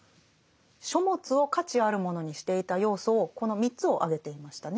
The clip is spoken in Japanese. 「書物を価値あるものにしていた要素」をこの３つを挙げていましたね。